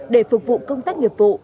để phục vụ công tác nghiệp vụ